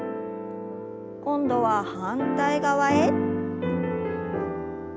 今度は反対側へ。